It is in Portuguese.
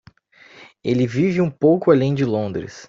Ele vive um pouco além de Londres.